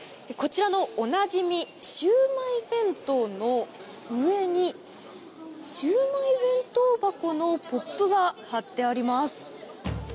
おなじみ、シウマイ弁当の上にシウマイ弁当箱のポップが貼ってあります。